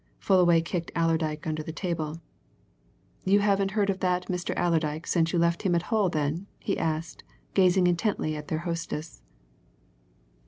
Fullaway kicked Allerdyke under the table. "You haven't heard of that Mr. Allerdyke since you left him at Hull, then?" he asked, gazing intently at their hostess.